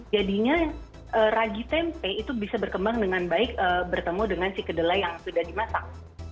jadinya ragi tempe itu bisa berkembang dengan baik bertemu dengan si kedelai yang sudah dimasak